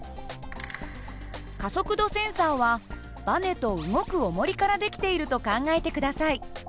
加速度センサーはばねと動くおもりから出来ていると考えて下さい。